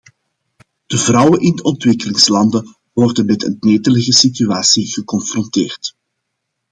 De vrouwen in de ontwikkelingslanden worden met een netelige situatie geconfronteerd.